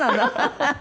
ハハハ！